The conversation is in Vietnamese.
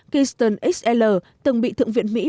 keystone xl từng bị thượng viện mỹ